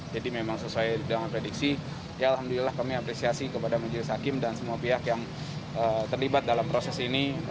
jadi memang sesuai dengan prediksi ya alhamdulillah kami apresiasi kepada majelis hakim dan semua pihak yang terlibat dalam proses ini